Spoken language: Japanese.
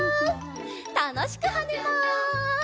たのしくはねます！